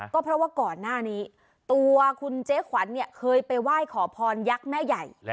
ก็เพราะว่าก่อนหน้านี้ตัวคุณเจ๊ขวัญเนี่ยเคยไปไหว้ขอพรยักษ์แม่ใหญ่